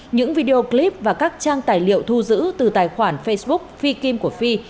những video clip và các trang tài liệu thu giữ từ tài khoản facebook phi kim của phi